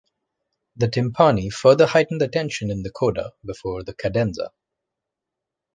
The timpani further heighten the tension in the coda before the cadenza.